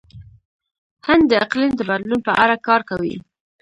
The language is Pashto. هند د اقلیم د بدلون په اړه کار کوي.